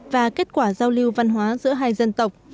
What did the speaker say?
và kết quả giao lưu văn hóa giữa hai dân tộc